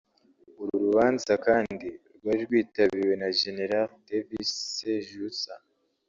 uru rubanza kandi rwari rwitabiriwe na General David Sejusa